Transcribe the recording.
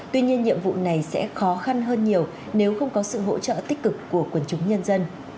tuy nhiên nhiệm vụ này sẽ khó khăn hơn nhiều nếu không có sự hỗ trợ tích cực của quần chúng nhân dân